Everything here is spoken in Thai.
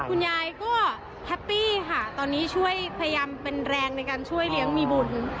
คุณยายก็แฮปปี้ค่ะตอนนี้ช่วยพยายามเป็นแรงในการช่วยเลี้ยงมีบุญ